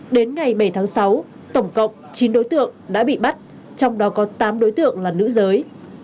đến ngày bảy tháng sáu tổng cộng chín đối tượng đã bị bắt trong đó có tám đối tượng là nữ giới